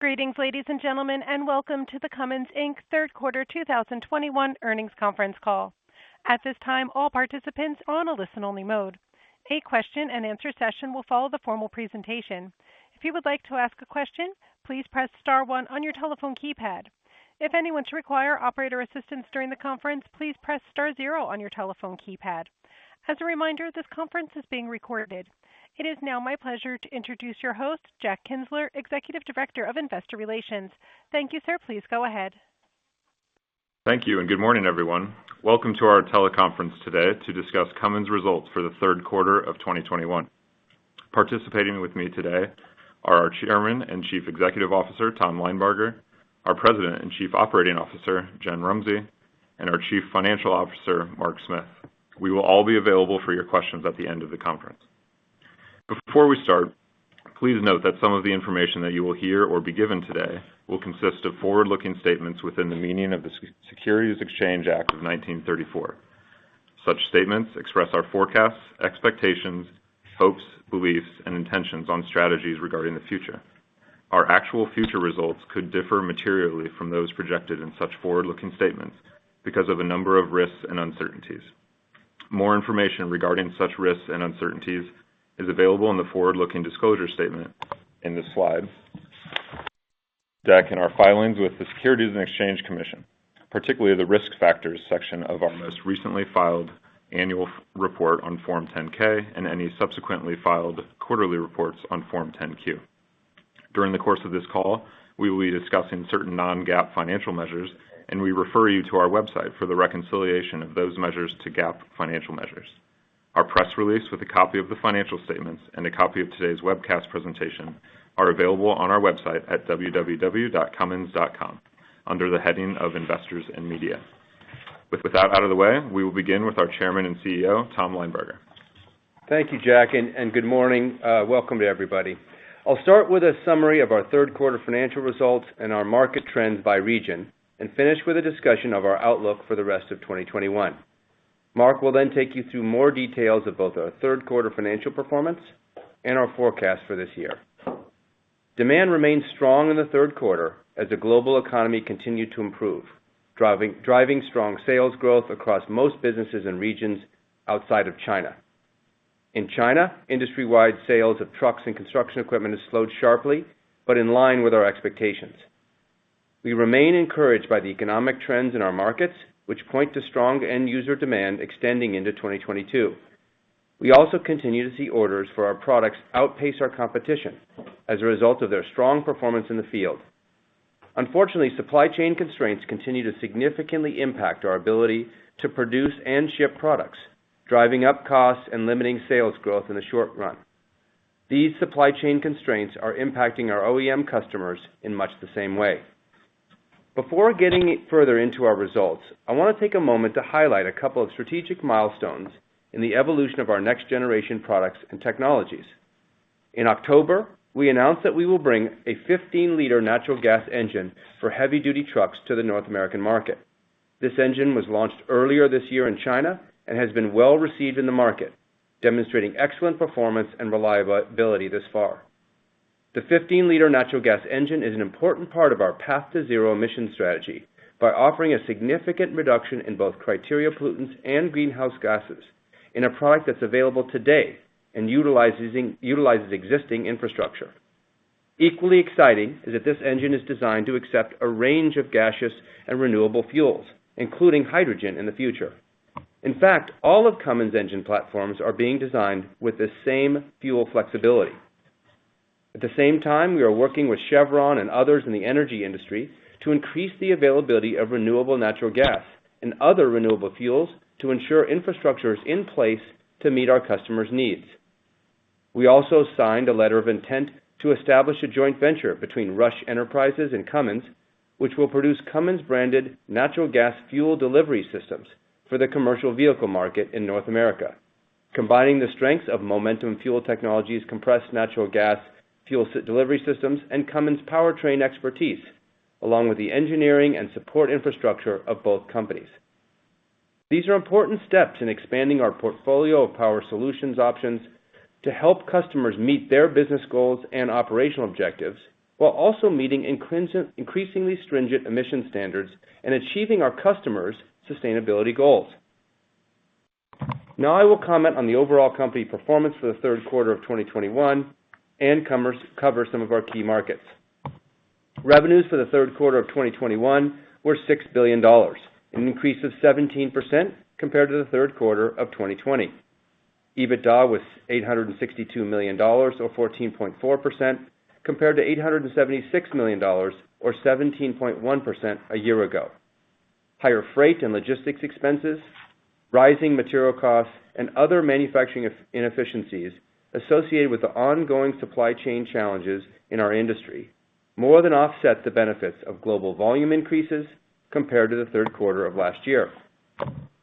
Greetings, ladies and gentlemen, and welcome to the Cummins Inc. third quarter 2021 earnings conference call. At this time, all participants are on a listen-only mode. A question-and-answer session will follow the formal presentation. If you would like to ask a question, please press star one on your telephone keypad. If anyone should require operator assistance during the conference, please press star zero on your telephone keypad. As a reminder, this conference is being recorded. It is now my pleasure to introduce your host, Jack Kienzler, Executive Director of Investor Relations. Thank you, sir. Please go ahead. Thank you, and good morning, everyone. Welcome to our teleconference today to discuss Cummins results for the third quarter of 2021. Participating with me today are our Chairman and Chief Executive Officer, Tom Linebarger, our President and Chief Operating Officer, Jennifer Rumsey, and our Chief Financial Officer, Mark Smith. We will all be available for your questions at the end of the conference. Before we start, please note that some of the information that you will hear or be given today will consist of forward-looking statements within the meaning of the Securities Exchange Act of 1934. Such statements express our forecasts, expectations, hopes, beliefs, and intentions on strategies regarding the future. Our actual future results could differ materially from those projected in such forward-looking statements because of a number of risks and uncertainties. More information regarding such risks and uncertainties is available in the forward-looking disclosure statement in this slide deck in our filings with the SECURITIES AND EXCHANGE COMMISSION, particularly the Risk Factors section of our most recently filed annual report on Form 10-K and any subsequently filed quarterly reports on Form 10-Q. During the course of this call, we will be discussing certain non-GAAP financial measures, and we refer you to our website for the reconciliation of those measures to GAAP financial measures. Our press release with a copy of the financial statements and a copy of today's webcast presentation are available on our website at www.cummins.com under the heading of Investors and Media. With that out of the way, we will begin with our Chairman and CEO, Tom Linebarger. Thank you, Jack, and good morning. Welcome to everybody. I'll start with a summary of our third quarter financial results and our market trends by region and finish with a discussion of our outlook for the rest of 2021. Mark will then take you through more details of both our third quarter financial performance and our forecast for this year. Demand remained strong in the third quarter as the global economy continued to improve, driving strong sales growth across most businesses and regions outside of China. In China, industry-wide sales of trucks and construction equipment has slowed sharply, but in line with our expectations. We remain encouraged by the economic trends in our markets, which point to strong end user demand extending into 2022. We also continue to see orders for our products outpace our competition as a result of their strong performance in the field. Unfortunately, supply chain constraints continue to significantly impact our ability to produce and ship products, driving up costs and limiting sales growth in the short run. These supply chain constraints are impacting our OEM customers in much the same way. Before getting further into our results, I wanna take a moment to highlight a couple of strategic milestones in the evolution of our next generation products and technologies. In October, we announced that we will bring a X15N natural gas engine for heavy-duty trucks to the North American market. This engine was launched earlier this year in China and has been well-received in the market, demonstrating excellent performance and reliability thus far. The X15N natural gas engine is an important part of our path to zero emission strategy by offering a significant reduction in both criteria pollutants and greenhouse gases in a product that's available today and utilizes existing infrastructure. Equally exciting is that this engine is designed to accept a range of gaseous and renewable fuels, including hydrogen in the future. In fact, all of Cummins engine platforms are being designed with the same fuel flexibility. At the same time, we are working with Chevron and others in the energy industry to increase the availability of renewable natural gas and other renewable fuels to ensure infrastructure is in place to meet our customers' needs. We also signed a letter of intent to establish a joint venture between Rush Enterprises and Cummins, which will produce Cummins-branded natural gas fuel delivery systems for the commercial vehicle market in North America, combining the strengths of Momentum Fuel Technologies, compressed natural gas, fuel delivery systems, and Cummins powertrain expertise, along with the engineering and support infrastructure of both companies. These are important steps in expanding our portfolio of power solutions options to help customers meet their business goals and operational objectives while also meeting increasingly stringent emission standards and achieving our customers' sustainability goals. Now I will comment on the overall company performance for the third quarter of 2021 and cover some of our key markets. Revenues for the third quarter of 2021 were $6 billion, an increase of 17% compared to the third quarter of 2020. EBITDA was $862 million or 14.4% compared to $876 million or 17.1% a year ago. Higher freight and logistics expenses, rising material costs, and other manufacturing inefficiencies associated with the ongoing supply chain challenges in our industry more than offset the benefits of global volume increases compared to the third quarter of last year.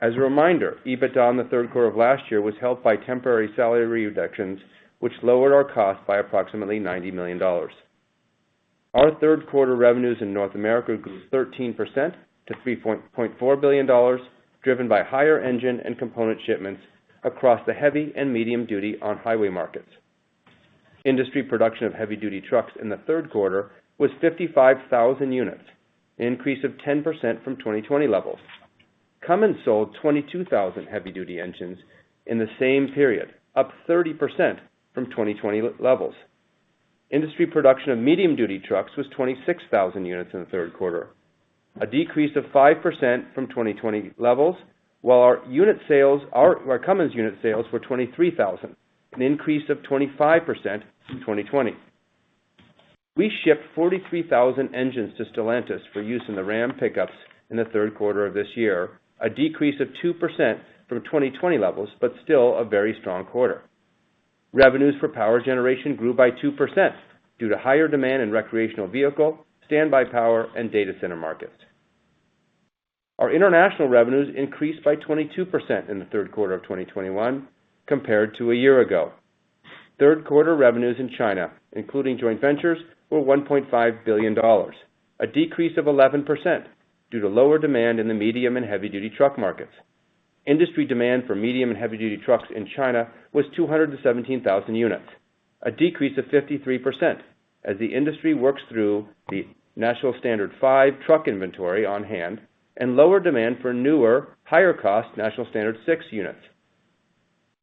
As a reminder, EBITDA in the third quarter of last year was helped by temporary salary reductions, which lowered our cost by approximately $90 million. Our third quarter revenues in North America grew 13% to $3.4 billion, driven by higher engine and component shipments across the heavy and medium duty on highway markets. Industry production of heavy-duty trucks in the third quarter was 55,000 units, an increase of 10% from 2020 levels. Cummins sold 22,000 heavy-duty engines in the same period, up 30% from 2020 levels. Industry production of medium-duty trucks was 26,000 units in the third quarter, a decrease of 5% from 2020 levels, while our unit sales, our Cummins unit sales were 23,000, an increase of 25% from 2020. We shipped 43,000 engines to Stellantis for use in the Ram pickups in the third quarter of this year, a decrease of 2% from 2020 levels, but still a very strong quarter. Revenues for power generation grew by 2% due to higher demand in recreational vehicle, standby power, and data center markets. Our international revenues increased by 22% in the third quarter of 2021 compared to a year ago. Third quarter revenues in China, including joint ventures, were $1.5 billion, a decrease of 11% due to lower demand in the medium and heavy-duty truck markets. Industry demand for medium and heavy-duty trucks in China was 217,000 units, a decrease of 53% as the industry works through the National Standard Five truck inventory on hand and lower demand for newer, higher-cost National Standard Six units.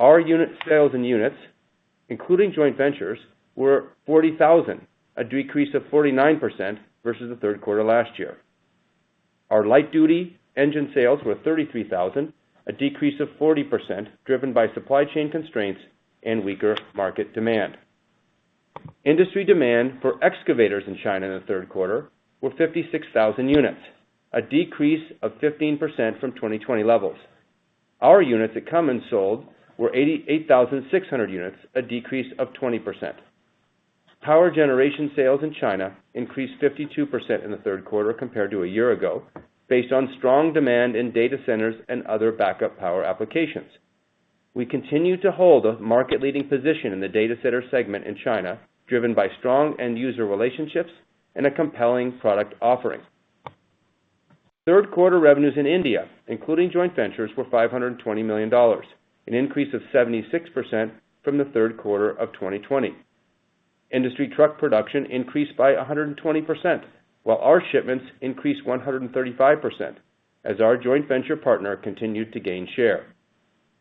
Our unit sales in units, including joint ventures, were 40,000 units, a decrease of 49% versus the third quarter last year. Our light-duty engine sales were 33,000 units, a decrease of 40% driven by supply chain constraints and weaker market demand. Industry demand for excavators in China in the third quarter were 56,000 units, a decrease of 15% from 2020 levels. Our units that Cummins sold were 88,600 units, a decrease of 20%. Power generation sales in China increased 52% in the third quarter compared to a year ago, based on strong demand in data centers and other backup power applications. We continue to hold a market-leading position in the data center segment in China, driven by strong end user relationships and a compelling product offering. Third quarter revenues in India, including joint ventures, were $520 million, an increase of 76% from the third quarter of 2020. Industry truck production increased by 120%, while our shipments increased 135% as our joint venture partner continued to gain share.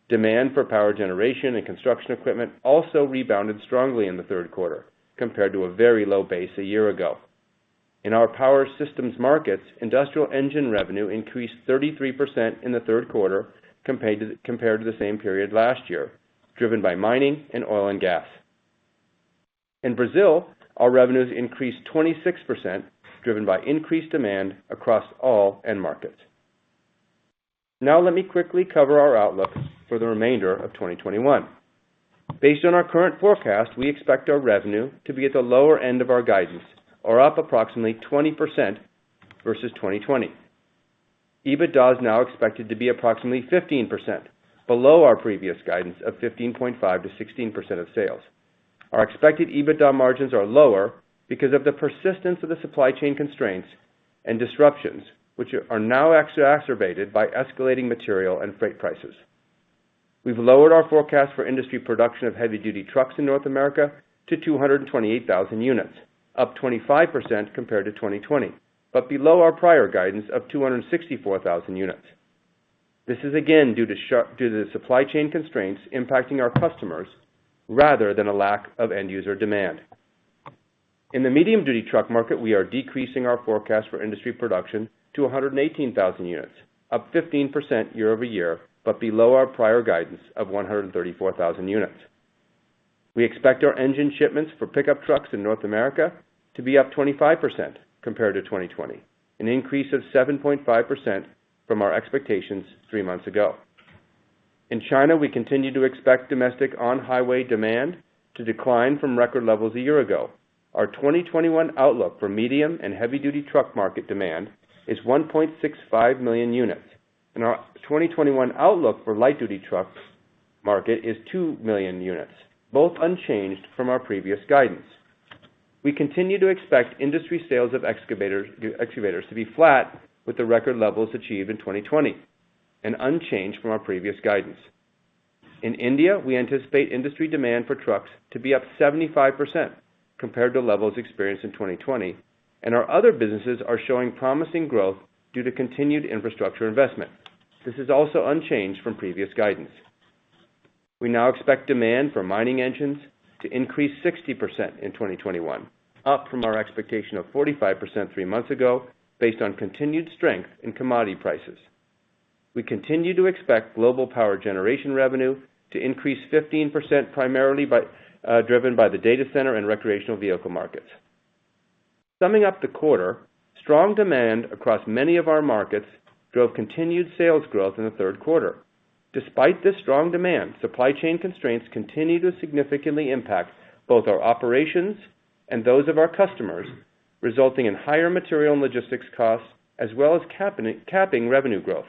Demand for power generation and construction equipment also rebounded strongly in the third quarter compared to a very low base a year ago. In our power systems markets, industrial engine revenue increased 33% in the third quarter compared to the same period last year, driven by mining and oil and gas. In Brazil, our revenues increased 26%, driven by increased demand across all end markets. Now let me quickly cover our outlook for the remainder of 2021. Based on our current forecast, we expect our revenue to be at the lower end of our guidance or up approximately 20% versus 2020. EBITDA is now expected to be approximately 15% below our previous guidance of 15.5%-16% of sales. Our expected EBITDA margins are lower because of the persistence of the supply chain constraints and disruptions which are now exacerbated by escalating material and freight prices. We've lowered our forecast for industry production of heavy-duty trucks in North America to 228,000 units, up 25% compared to 2020, but below our prior guidance of 264,000 units. This is again due to the supply chain constraints impacting our customers rather than a lack of end user demand. In the medium-duty truck market, we are decreasing our forecast for industry production to 118,000 units, up 15% year-over-year, but below our prior guidance of 134,000 units. We expect our engine shipments for pickup trucks in North America to be up 25% compared to 2020, an increase of 7.5% from our expectations three months ago. In China, we continue to expect domestic on-highway demand to decline from record levels a year ago. Our 2021 outlook for medium and heavy-duty truck market demand is 1.65 million units, and our 2021 outlook for light-duty trucks market is 2 million units, both unchanged from our previous guidance. We continue to expect industry sales of excavators, excavators to be flat with the record levels achieved in 2020 and unchanged from our previous guidance. In India, we anticipate industry demand for trucks to be up 75% compared to levels experienced in 2020, and our other businesses are showing promising growth due to continued infrastructure investment. This is also unchanged from previous guidance. We now expect demand for mining engines to increase 60% in 2021, up from our expectation of 45% three months ago, based on continued strength in commodity prices. We continue to expect global power generation revenue to increase 15%, primarily by, driven by the data center and recreational vehicle markets. Summing up the quarter, strong demand across many of our markets drove continued sales growth in the third quarter. Despite this strong demand, supply chain constraints continue to significantly impact both our operations and those of our customers, resulting in higher material and logistics costs as well as capping revenue growth.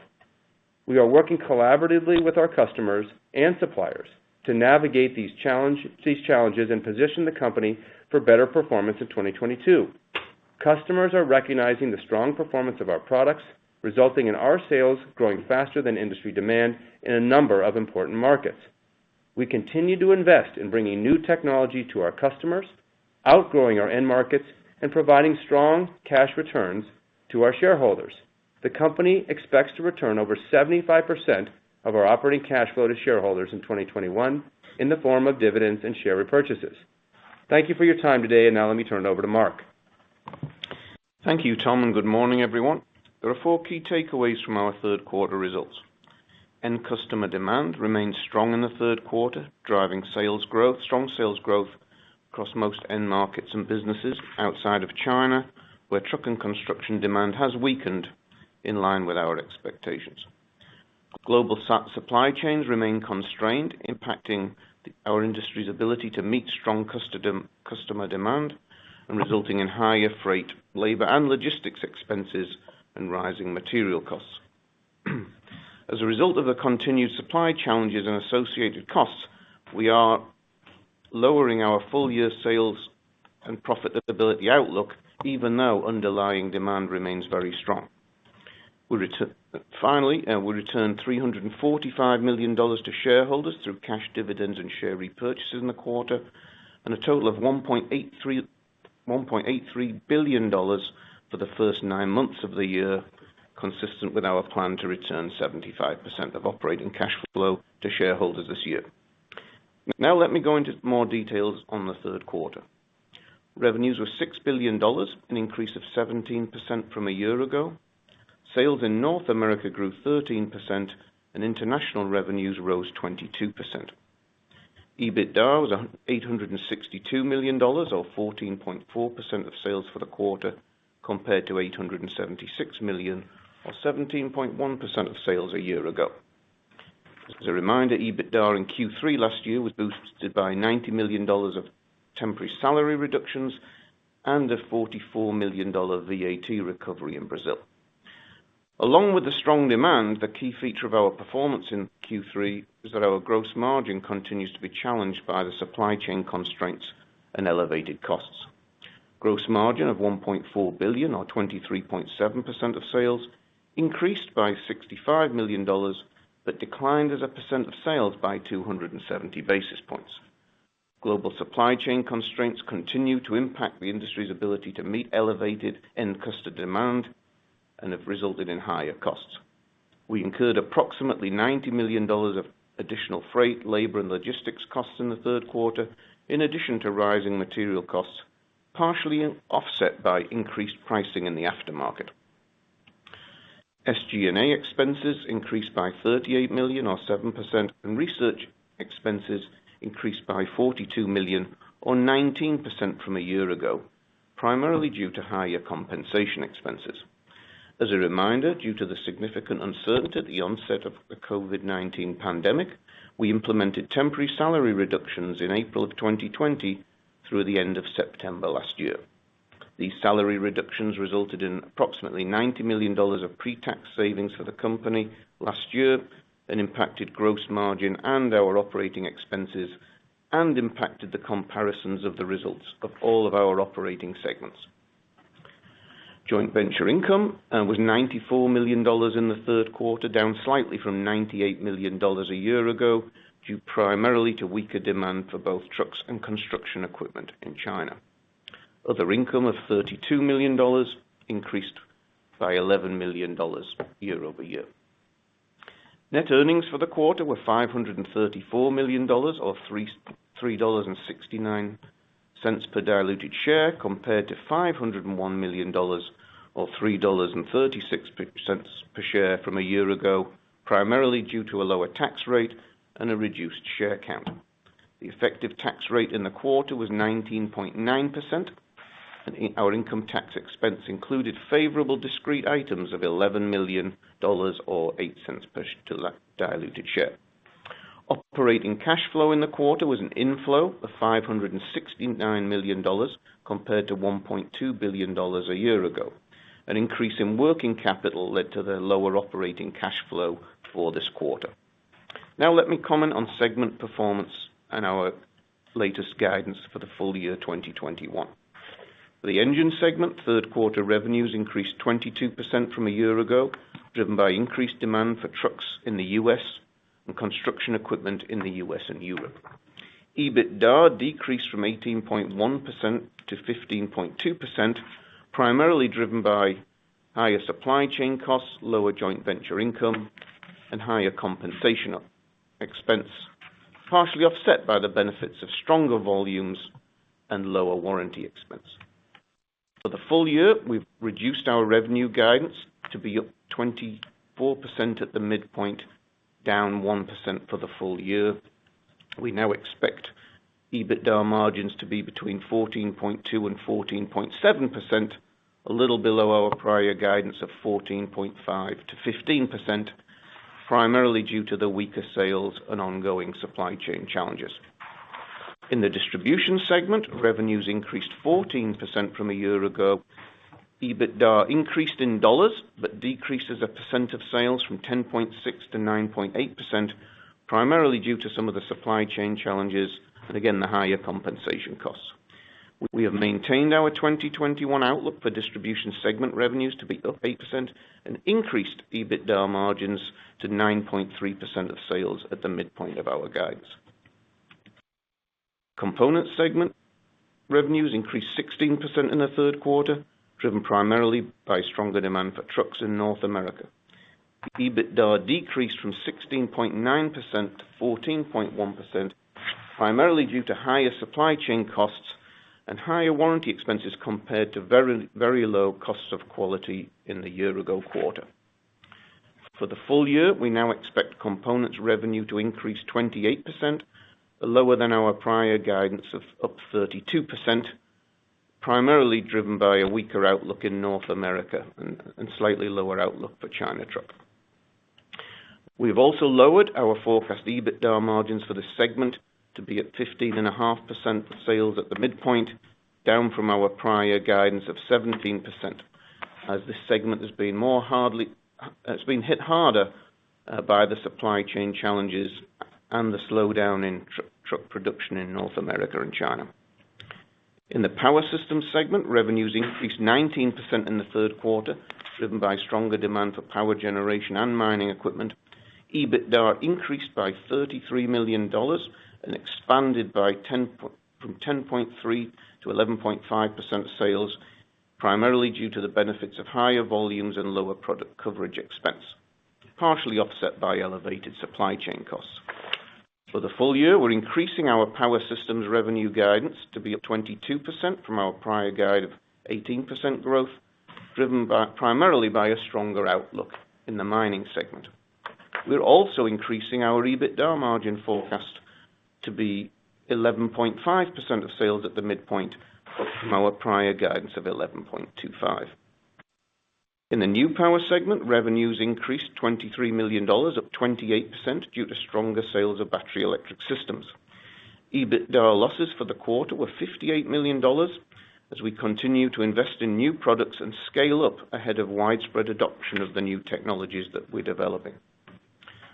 We are working collaboratively with our customers and suppliers to navigate these challenges and position the company for better performance in 2022. Customers are recognizing the strong performance of our products, resulting in our sales growing faster than industry demand in a number of important markets. We continue to invest in bringing new technology to our customers, outgrowing our end markets and providing strong cash returns to our shareholders. The company expects to return over 75% of our operating cash flow to shareholders in 2021 in the form of dividends and share repurchases. Thank you for your time today. Now let me turn it over to Mark. Thank you, Tom, and good morning, everyone. There are four key takeaways from our third quarter results. End customer demand remains strong in the third quarter, driving strong sales growth across most end markets and businesses outside of China, where truck and construction demand has weakened in line with our expectations. Global supply chains remain constrained, impacting our industry's ability to meet strong customer demand and resulting in higher freight, labor and logistics expenses and rising material costs. As a result of the continued supply challenges and associated costs, we are lowering our full year sales and profitability outlook even though underlying demand remains very strong. Finally, we returned $345 million to shareholders through cash dividends and share repurchases in the quarter, and a total of $1.83 billion for the first nine months of the year, consistent with our plan to return 75% of operating cash flow to shareholders this year. Now let me go into more details on the third quarter. Revenues were $6 billion, an increase of 17% from a year ago. Sales in North America grew 13% and international revenues rose 22%. EBITDA was $862 million or 14.4% of sales for the quarter, compared to $876 million or 17.1% of sales a year ago. As a reminder, EBITDA in Q3 last year was boosted by $90 million of temporary salary reductions and a $44 million VAT recovery in Brazil. Along with the strong demand, the key feature of our performance in Q3 is that our gross margin continues to be challenged by the supply chain constraints and elevated costs. Gross margin of $1.4 billion or 23.7% of sales increased by $65 million, but declined as a percent of sales by 270 basis points. Global supply chain constraints continue to impact the industry's ability to meet elevated end customer demand and have resulted in higher costs. We incurred approximately $90 million of additional freight, labor, and logistics costs in the third quarter, in addition to rising material costs, partially offset by increased pricing in the aftermarket. SG&A expenses increased by $38 million or 7%, and research expenses increased by $42 million or 19% from a year ago, primarily due to higher compensation expenses. As a reminder, due to the significant uncertainty at the onset of the COVID-19 pandemic, we implemented temporary salary reductions in April of 2020 through the end of September last year. These salary reductions resulted in approximately $90 million of pre-tax savings for the company last year and impacted gross margin and our operating expenses and impacted the comparisons of the results of all of our operating segments. Joint venture income was $94 million in the third quarter, down slightly from $98 million a year ago, due primarily to weaker demand for both trucks and construction equipment in China. Other income of $32 million increased by $11 million year over year. Net earnings for the quarter were $534 million or $3.69 per diluted share, compared to $501 million or $3.36 per share from a year ago, primarily due to a lower tax rate and a reduced share count. The effective tax rate in the quarter was 19.9%, and our income tax expense included favorable discrete items of $11 million or $0.08 per diluted share. Operating cash flow in the quarter was an inflow of $569 million compared to $1.2 billion a year ago. An increase in working capital led to the lower operating cash flow for this quarter. Now let me comment on segment performance and our latest guidance for the full year 2021. The engine segment third quarter revenues increased 22% from a year ago, driven by increased demand for trucks in the U.S. and construction equipment in the U.S. and Europe. EBITDA decreased from 18.1% to 15.2%, primarily driven by higher supply chain costs, lower joint venture income and higher compensation expense, partially offset by the benefits of stronger volumes and lower warranty expense. For the full year, we've reduced our revenue guidance to be up 24% at the midpoint, down 1% for the full year. We now expect EBITDA margins to be between 14.2% and 14.7%, a little below our prior guidance of 14.5%-15%, primarily due to the weaker sales and ongoing supply chain challenges. In the Distribution segment, revenues increased 14% from a year ago. EBITDA increased in dollars, but decreased as a percent of sales from 10.6%-9.8%, primarily due to some of the supply chain challenges and again, the higher compensation costs. We have maintained our 2021 outlook for Distribution segment revenues to be up 8% and increased EBITDA margins to 9.3% of sales at the midpoint of our guidance. Component segment revenues increased 16% in the third quarter, driven primarily by stronger demand for trucks in North America. EBITDA decreased from 16.9%-14.1%, primarily due to higher supply chain costs and higher warranty expenses compared to very, very low costs of quality in the year ago quarter. For the full year, we now expect Components revenue to increase 28%, lower than our prior guidance of up 32%, primarily driven by a weaker outlook in North America and slightly lower outlook for China truck. We've also lowered our forecast EBITDA margins for the segment to be at 15.5% sales at the midpoint, down from our prior guidance of 17%, as this segment has been hit harder by the supply chain challenges and the slowdown in truck production in North America and China. In the Power Systems segment, revenues increased 19% in the third quarter, driven by stronger demand for power generation and mining equipment. EBITDA increased by $33 million and expanded from 10.3%-11.5% of sales, primarily due to the benefits of higher volumes and lower product coverage expense, partially offset by elevated supply chain costs. For the full year, we're increasing our power systems revenue guidance to be up 22% from our prior guide of 18% growth, driven primarily by a stronger outlook in the mining segment. We're also increasing our EBITDA margin forecast to be 11.5% of sales at the midpoint of our prior guidance of 11.25%. In the new power segment, revenues increased $23 million, up 28% due to stronger sales of battery electric systems. EBITDA losses for the quarter were $58 million as we continue to invest in new products and scale up ahead of widespread adoption of the new technologies that we're developing.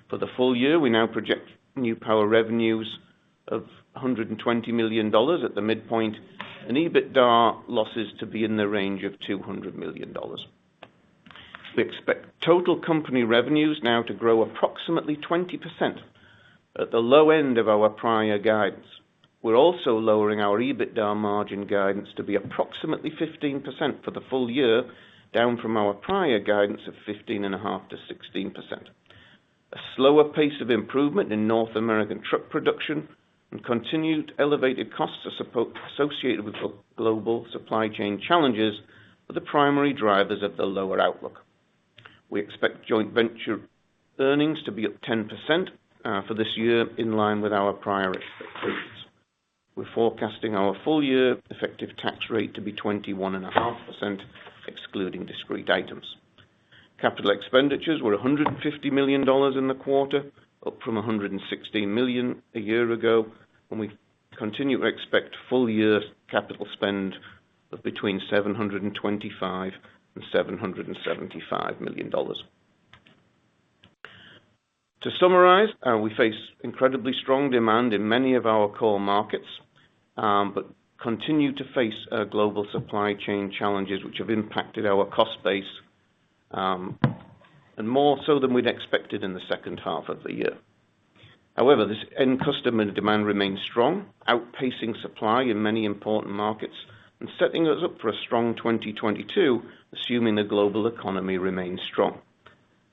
For the full year, we now project new power revenues of $120 million at the midpoint and EBITDA losses to be in the range of $200 million. We expect total company revenues now to grow approximately 20% at the low end of our prior guidance. We're also lowering our EBITDA margin guidance to be approximately 15% for the full year, down from our prior guidance of 15.5%-16%. A slower pace of improvement in North American truck production and continued elevated costs associated with the global supply chain challenges are the primary drivers of the lower outlook. We expect joint venture earnings to be up 10%, for this year, in line with our prior expectations. We're forecasting our full year effective tax rate to be 21.5%, excluding discrete items. Capital expenditures were $150 million in the quarter, up from $116 million a year ago, and we continue to expect full year capital spend of between $725 million and $775 million. To summarize, we face incredibly strong demand in many of our core markets, but continue to face global supply chain challenges which have impacted our cost base, and more so than we'd expected in the second half of the year. However, this end customer demand remains strong, outpacing supply in many important markets and setting us up for a strong 2022, assuming the global economy remains strong.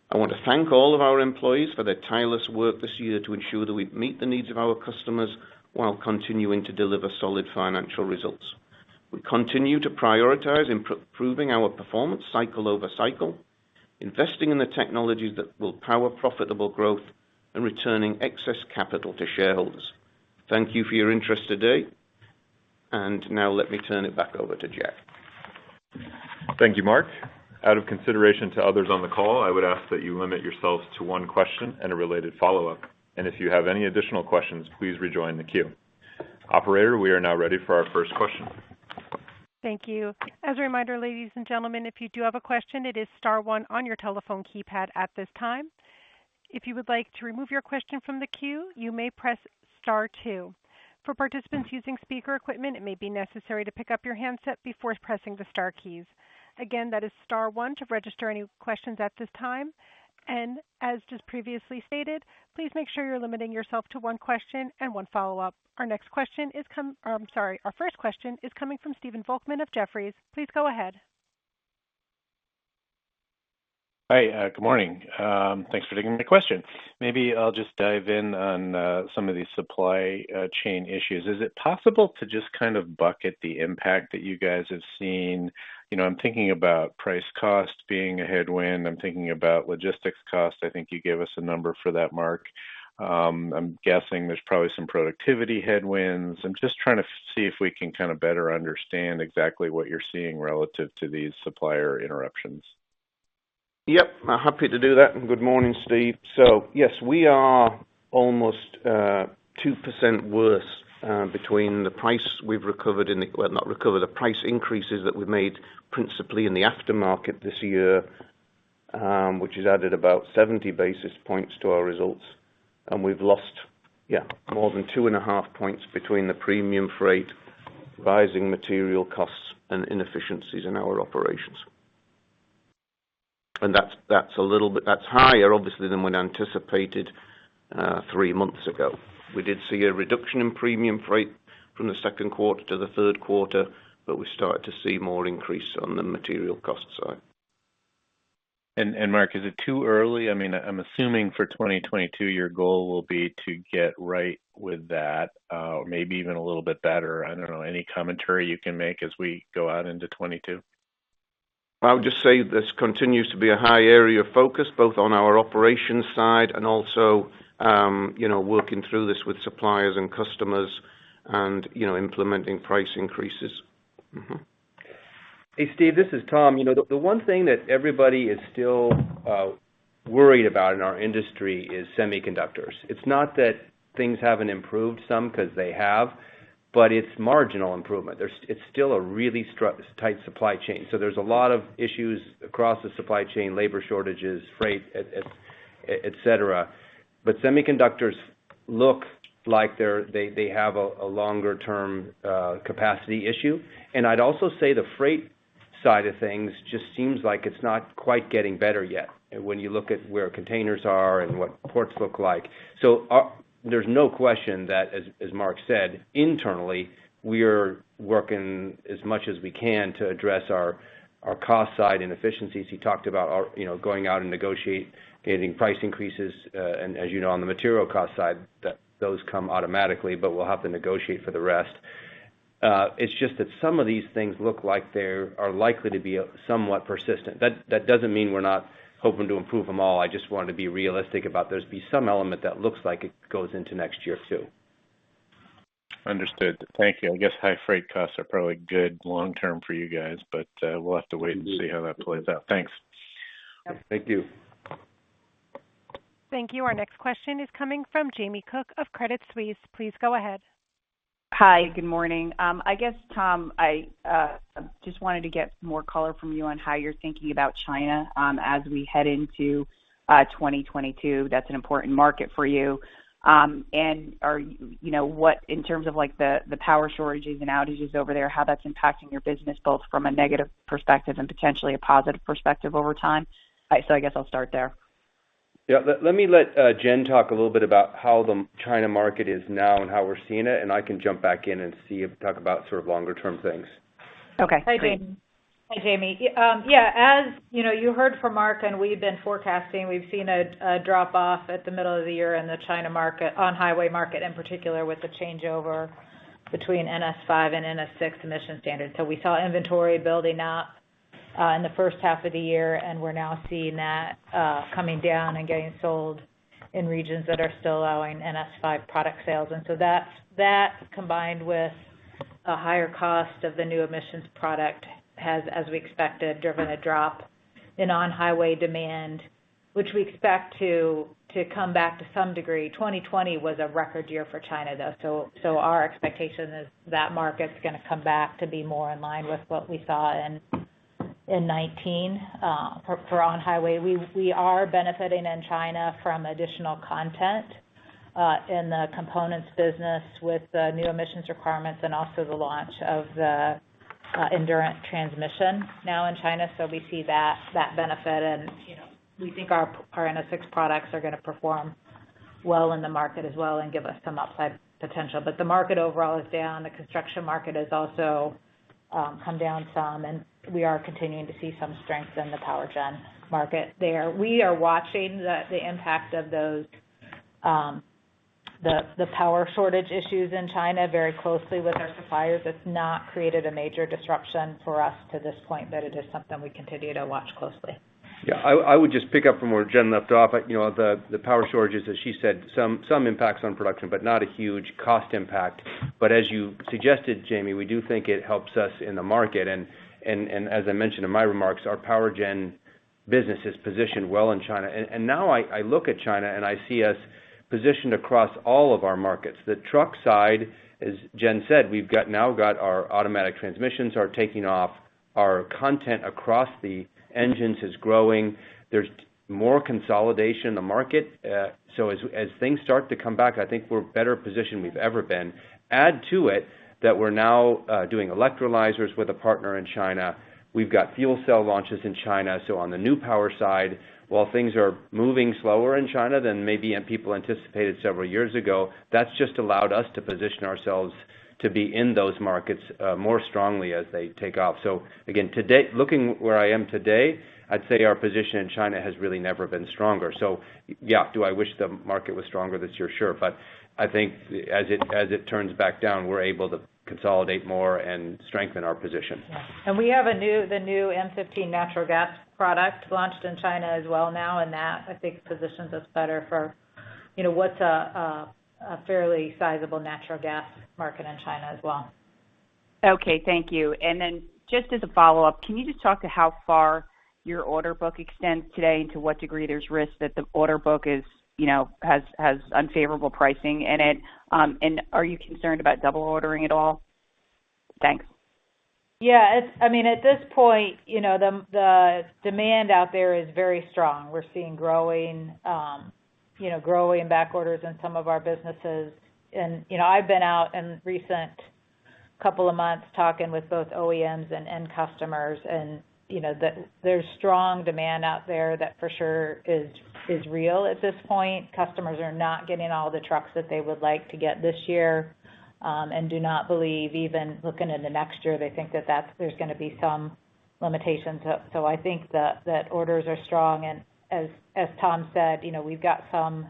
I want to thank all of our employees for their tireless work this year to ensure that we meet the needs of our customers while continuing to deliver solid financial results. We continue to prioritize improving our performance cycle over cycle, investing in the technologies that will power profitable growth and returning excess capital to shareholders. Thank you for your interest today. Now let me turn it back over to Jack. Thank you, Mark. Out of consideration to others on the call, I would ask that you limit yourself to one question and a related follow-up. If you have any additional questions, please rejoin the queue. Operator, we are now ready for our first question. Thank you. As a reminder, ladies and gentlemen, if you do have a question, it is star one on your telephone keypad at this time. If you would like to remove your question from the queue, you may press star two. For participants using speaker equipment, it may be necessary to pick up your handset before pressing the star keys. Again, that is star one to register any questions at this time. As just previously stated, please make sure you're limiting yourself to one question and one follow-up. Our first question is coming from Stephen Volkmann of Jefferies. Please go ahead. Hi. Good morning. Thanks for taking my question. Maybe I'll just dive in on some of these supply chain issues. Is it possible to just kind of bucket the impact that you guys have seen? You know, I'm thinking about price cost being a headwind. I'm thinking about logistics costs. I think you gave us a number for that, Mark. I'm guessing there's probably some productivity headwinds. I'm just trying to see if we can kind of better understand exactly what you're seeing relative to these supplier interruptions. Yep, I'm happy to do that. Good morning, Stephen. So yes, we are almost 2% worse between the price increases that we made principally in the aftermarket this year, which has added about 70 basis points to our results. We've lost, yeah, more than 2.5 points between the premium freight, rising material costs, and inefficiencies in our operations. That's higher, obviously, than anticipated three months ago. We did see a reduction in premium freight from the second quarter to the third quarter, but we started to see more increase on the material cost side. Mark, is it too early? I mean, I'm assuming for 2022, your goal will be to get right with that, maybe even a little bit better. I don't know, any commentary you can make as we go out into 2022? I would just say this continues to be a high area of focus, both on our operations side and also, you know, working through this with suppliers and customers and, you know, implementing price increases. Hey, Stephen, this is Tom. You know, the one thing that everybody is still worried about in our industry is semiconductors. It's not that things haven't improved some, because they have, but it's marginal improvement. It's still a really tight supply chain. There's a lot of issues across the supply chain, labor shortages, freight, et cetera. Semiconductors look like they have a longer-term capacity issue. I'd also say the freight side of things just seems like it's not quite getting better yet when you look at where containers are and what ports look like. There's no question that, as Mark said, internally, we are working as much as we can to address our cost side inefficiencies. He talked about our, you know, going out and negotiate, getting price increases. As you know, on the material cost side, those come automatically, but we'll have to negotiate for the rest. It's just that some of these things look like they are likely to be somewhat persistent. That doesn't mean we're not hoping to improve them all. I just wanted to be realistic about there'll be some element that looks like it goes into next year too. Understood. Thank you. I guess high freight costs are probably good long term for you guys, but we'll have to wait and see how that plays out. Thanks. Thank you. Thank you. Our next question is coming from Jamie Cook of Credit Suisse. Please go ahead. Hi. Good morning. I guess, Tom, I just wanted to get more color from you on how you're thinking about China, as we head into 2022. That's an important market for you. What, in terms of like the power shortages and outages over there, how that's impacting your business, both from a negative perspective and potentially a positive perspective over time. I guess I'll start there. Let me let Jennifer talk a little bit about how the China market is now and how we're seeing it, and I can jump back in and talk about sort of longer term things. Okay, great. Hi, Jamie. You know, you heard from Mark. We've been forecasting. We've seen a drop off in the middle of the year in the China market, on-highway market in particular with the changeover between NS5 and NS6 emission standards. We saw inventory building up in the first half of the year, and we're now seeing that coming down and getting sold in regions that are still allowing NS5 product sales. That combined with a higher cost of the new emissions product has, as we expected, driven a drop in on-highway demand, which we expect to come back to some degree. 2020 was a record year for China, though, our expectation is that market's gonna come back to be more in line with what we saw in 2019 for on-highway. We are benefiting in China from additional content in the components business with the new emissions requirements and also the launch of the Endurant HD now in China. We see that benefit and, you know, we think our NS6 products are gonna perform well in the market as well and give us some upside potential. The market overall is down. The construction market has also come down some, and we are continuing to see some strength in the power gen market there. We are watching the impact of those the power shortage issues in China very closely with our suppliers. It's not created a major disruption for us to this point, but it is something we continue to watch closely. Yeah, I would just pick up from where Jennifer left off. You know, the power shortages, as she said, some impacts on production, but not a huge cost impact. As you suggested, Jamie, we do think it helps us in the market. As I mentioned in my remarks, our power gen business is positioned well in China. Now I look at China and I see us positioned across all of our markets. The truck side, as Jennifer said, we've now got our automatic transmissions are taking off. Our content across the engines is growing. There's more consolidation in the market. So as things start to come back, I think we're better positioned we've ever been. Add to it that we're now doing electrolyzers with a partner in China. We've got fuel cell launches in China. On the new power side, while things are moving slower in China than maybe people anticipated several years ago, that's just allowed us to position ourselves to be in those markets more strongly as they take off. Again, today, looking where I am today, I'd say our position in China has really never been stronger. Yeah, do I wish the market was stronger this year? Sure. I think as it turns back down, we're able to consolidate more and strengthen our position. Yeah. We have the new X15N natural gas product launched in China as well now, and that I think positions us better for, you know, what's a fairly sizable natural gas market in China as well. Okay. Thank you. Just as a follow-up, can you just talk to how far your order book extends today and to what degree there's risk that the order book is, you know, has unfavorable pricing in it? Are you concerned about double ordering at all? Thanks. Yeah, it's, I mean, at this point, you know, the demand out there is very strong. We're seeing growing back orders in some of our businesses. I've been out in the recent couple of months talking with both OEMs and end customers, and, you know, there's strong demand out there that for sure is real at this point. Customers are not getting all the trucks that they would like to get this year, and do not believe, even looking in the next year, they think that there's gonna be some limitations. I think that orders are strong. As Tom said, you know, we've got some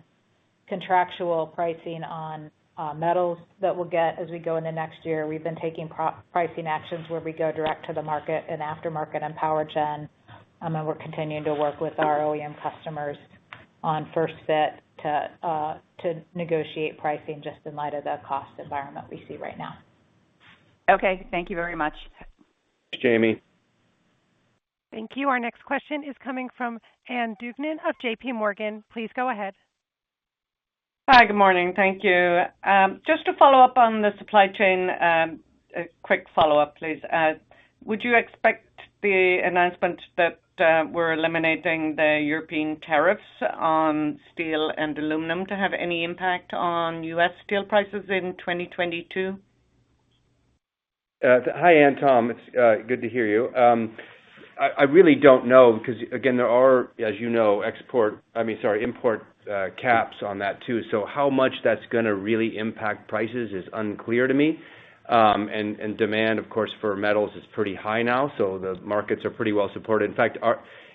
contractual pricing on metals that we'll get as we go into next year. We've been taking pricing actions where we go direct to the market and aftermarket and powergen. We're continuing to work with our OEM customers on first fit to negotiate pricing just in light of the cost environment we see right now. Okay, thank you very much. Thanks, Jamie. Thank you. Our next question is coming from Ann Duignan of JPMorgan. Please go ahead. Hi, good morning. Thank you. Just to follow up on the supply chain, a quick follow-up, please. Would you expect the announcement that we're eliminating the European tariffs on steel and aluminum to have any impact on U.S. steel prices in 2022? Hi, Ann. Tom, it's good to hear you. I really don't know, because again, there are, as you know, I mean, sorry, import caps on that too. How much that's gonna really impact prices is unclear to me. Demand, of course, for metals is pretty high now, so the markets are pretty well supported. In fact,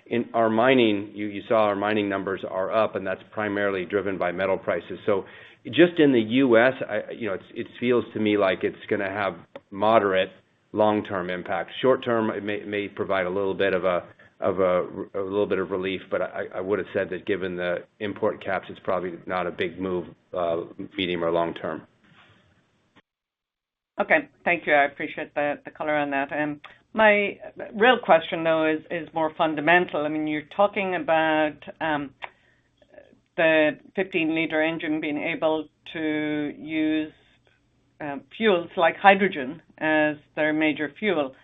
in our mining, you saw our mining numbers are up, and that's primarily driven by metal prices. Just in the U.S., you know, it feels to me like it's gonna have moderate long-term impact. Short-term, it may provide a little bit of relief, but I would've said that given the import caps, it's probably not a big move medium or long term. Okay. Thank you. I appreciate the color on that. My real question though is more fundamental. I mean, you're talking about the 15-liter engine being able to use fuels like hydrogen as their major fuel.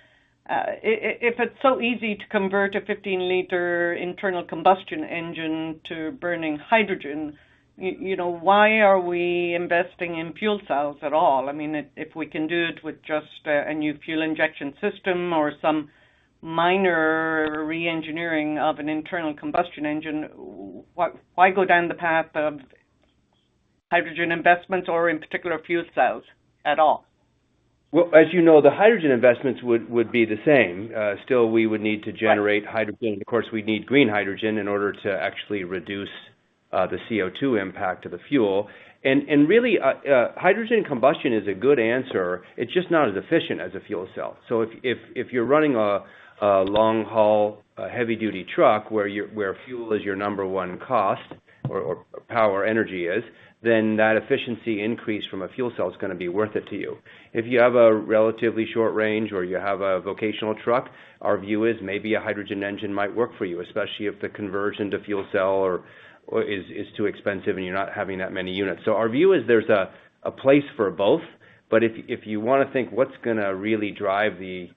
If it's so easy to convert a 15-liter internal combustion engine to burning hydrogen, you know, why are we investing in fuel cells at all? I mean, if we can do it with just a new fuel injection system or some minor re-engineering of an internal combustion engine, why go down the path of hydrogen investments or in particular fuel cells at all? Well, as you know, the hydrogen investments would be the same. Still, we would need to generate hydrogen. Of course, we'd need green hydrogen in order to actually reduce the CO2 impact of the fuel. Really, hydrogen combustion is a good answer. It's just not as efficient as a fuel cell. If you're running a long-haul heavy-duty truck where fuel is your number one cost or power energy is, then that efficiency increase from a fuel cell is gonna be worth it to you. If you have a relatively short range or you have a vocational truck, our view is maybe a hydrogen engine might work for you, especially if the conversion to fuel cell or is too expensive and you're not having that many units. Our view is there's a place for both. If you wanna think what's gonna really drive the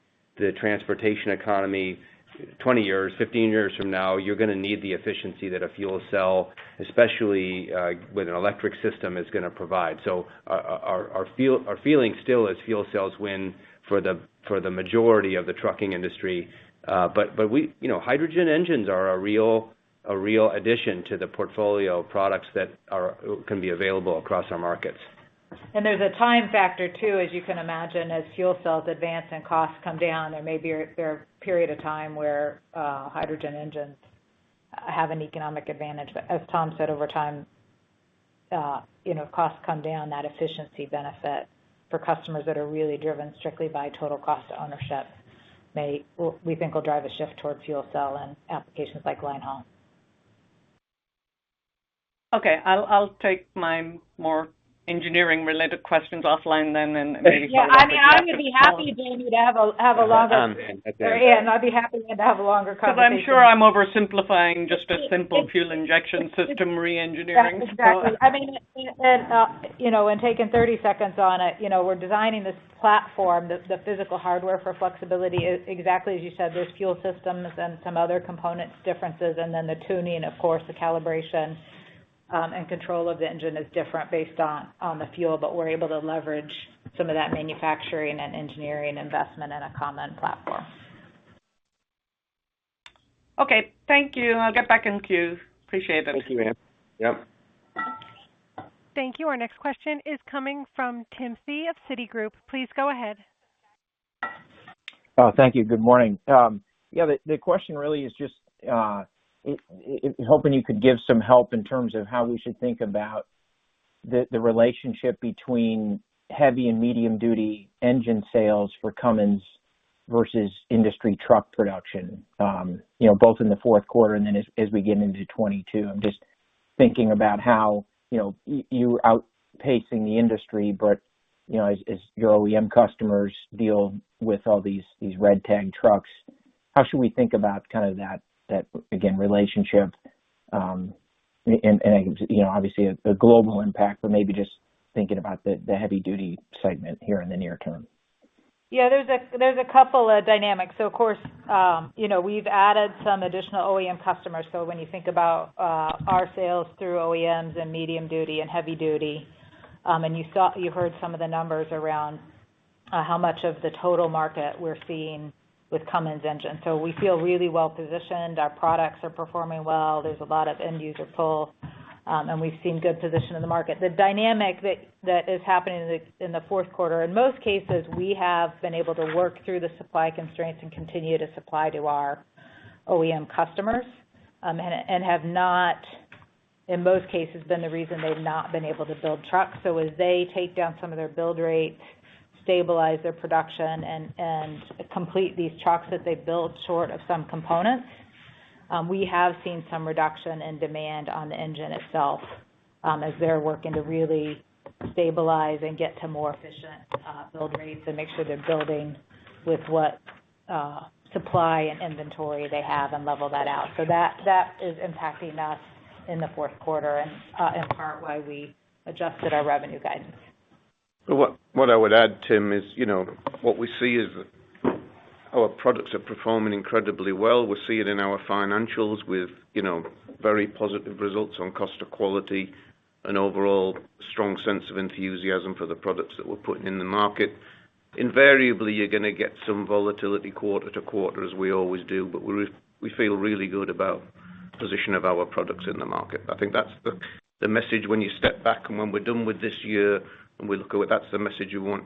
transportation economy 20-years, 15-years from now, you're gonna need the efficiency that a fuel cell, especially, with an electric system, is gonna provide. Our feeling still is fuel cells win for the majority of the trucking industry. But you know, hydrogen engines are a real addition to the portfolio of products that can be available across our markets. There's a time factor too, as you can imagine. As fuel cells advance and costs come down, there may be a period of time where hydrogen engines have an economic advantage. As Tom said, over time, you know, costs come down, that efficiency benefit for customers that are really driven strictly by total cost of ownership may we think will drive a shift towards fuel cell and applications like line haul. Okay. I'll take my more engineering-related questions offline then and maybe-. Yeah. I mean, I'm gonna be happy, Jamie, to have a longer-. Yeah. Ann, I'd be happy then to have a longer conversation. Cause I'm sure I'm oversimplifying just a simple fuel injection system re-engineering. Yeah, exactly. I mean, you know, when taking 30-seconds on it, you know, we're designing this platform, the physical hardware for flexibility exactly as you said. There's fuel systems and some other components differences, and then the tuning, of course, the calibration, and control of the engine is different based on the fuel, but we're able to leverage some of that manufacturing and engineering investment in a common platform. Okay. Thank you. I'll get back in queue. Appreciate it. Thank you, Ann. Yep. Thank you. Our next question is coming from Timothy Thein of Citi. Please go ahead. Oh, thank you. Good morning. Yeah, the question really is just hoping you could give some help in terms of how we should think about the relationship between heavy and medium duty engine sales for Cummins, Versus industry truck production, you know, both in the fourth quarter and then as we get into 2022. I'm just thinking about how, you know, you outpacing the industry, but, you know, as your OEM customers deal with all these red tag trucks, how should we think about kind of that again, relationship? You know, obviously a global impact, but maybe just thinking about the heavy duty segment here in the near term. Yeah, there's a couple of dynamics. Of course, you know, we've added some additional OEM customers. When you think about our sales through OEMs and medium duty and heavy duty, and you heard some of the numbers around how much of the total market we're seeing with Cummins engines. We feel really well positioned. Our products are performing well. There's a lot of end user pull. And we've seen good position in the market. The dynamic that is happening in the fourth quarter, in most cases, we have been able to work through the supply constraints and continue to supply to our OEM customers, and have not, in most cases, been the reason they've not been able to build trucks. As they take down some of their build rates, stabilize their production and complete these trucks that they've built short of some components, we have seen some reduction in demand on the engine itself, as they're working to really stabilize and get to more efficient build rates and make sure they're building with what supply and inventory they have and level that out. That is impacting us in the fourth quarter and, in part, why we adjusted our revenue guidance. What I would add, Timothy, is, you know, what we see is our products are performing incredibly well. We see it in our financials with, you know, very positive results on cost of quality and overall strong sense of enthusiasm for the products that we're putting in the market. Invariably, you're gonna get some volatility quarter to quarter as we always do, but we feel really good about position of our products in the market. I think that's the message when you step back and when we're done with this year, and we look at what that's the message we want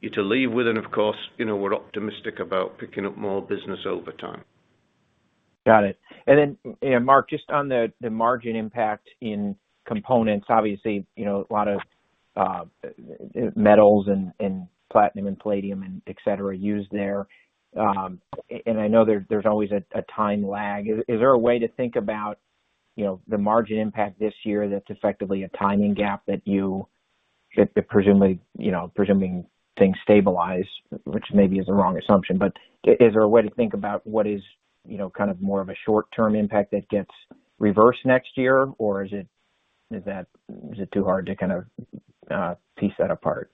you to leave with. Of course, you know, we're optimistic about picking up more business over time. Got it. Then Mark, just on the margin impact in components, obviously, you know, a lot of metals and platinum and palladium and et cetera are used there. I know there's always a time lag. Is there a way to think about, you know, the margin impact this year that's effectively a timing gap that you presumably, you know, presuming things stabilize, which maybe is the wrong assumption. Is there a way to think about what is, you know, kind of more of a short term impact that gets reversed next year? Or is it too hard to kind of piece that apart?